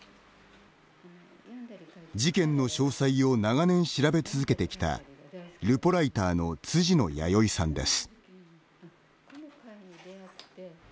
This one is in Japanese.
事件の詳細を長年調べ続けてきたルポライターの辻野弥生さんです。